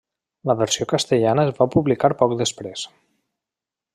La versió castellana es va publicar poc després.